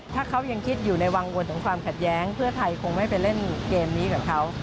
ถ้าเขายังคิดอยู่ในวังวลของความขัดแย้งเพื่อไทยคงไม่ไปเล่นเกมนี้กับเขา